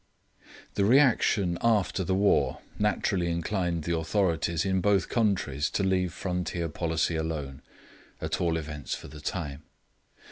The reaction after the war naturally inclined the authorities in both countries to leave frontier policy alone, at all events for the time.